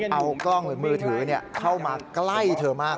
เมื่อถ่อกล้อมิทือเข้ามาใกล้เธอมาก